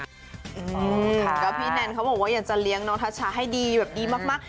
ก็พี่แนนเขาบอกว่าอยากจะเลี้ยงน้องทัชชาให้ดีแบบดีมาก